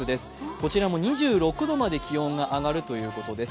こちらも２６度まで気温が上がるということです。